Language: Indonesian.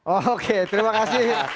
oke terima kasih